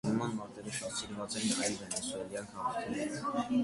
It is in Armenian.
Նման մարտերը շատ սիրված էին այլ վենեսուելյան քաղաքներում։